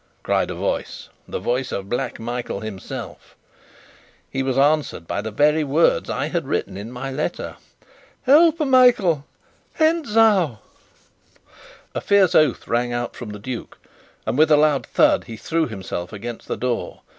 cried a voice the voice of Black Michael himself. He was answered by the very words I had written in my letter. "Help, Michael Hentzau!" A fierce oath rang out from the duke, and with a loud thud he threw himself against the door.